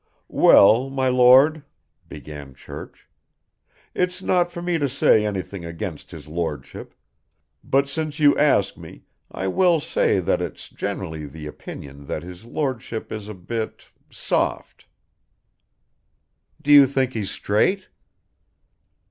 "Well, my Lord," began Church. "It's not for me to say anything against his Lordship, but since you ask me I will say that it's generally the opinion that his Lordship is a bit soft." "Do you think he's straight?"